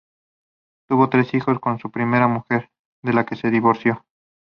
Tuvo tres hijos con su primera mujer, de la que se divorció.